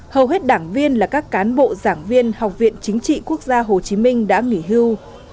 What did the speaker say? hầu hết đảng viên là các cán bộ giảng viên học viện chính trị quốc gia hồ chí minh đã nghỉ hưu